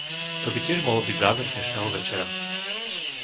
To by tiež mohol byť záver dnešného večera.